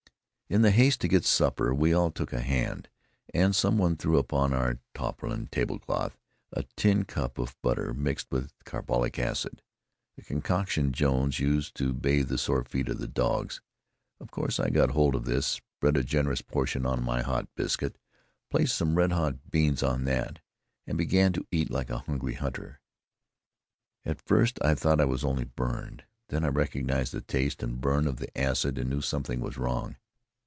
In the haste to get supper we all took a hand, and some one threw upon our tarpaulin tablecloth a tin cup of butter mixed with carbolic acid a concoction Jones had used to bathe the sore feet of the dogs. Of course I got hold of this, spread a generous portion on my hot biscuit, placed some red hot beans on that, and began to eat like a hungry hunter. At first I thought I was only burned. Then I recognized the taste and burn of the acid and knew something was wrong.